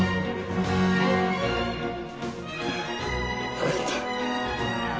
良かった。